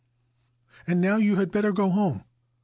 And now you had better go home.